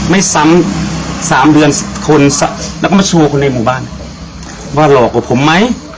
ไม่ซ้ำสามเดือนสิบคนแล้วก็มาโชว์คนในหมู่บ้านว่าหลอกกว่าผมไหม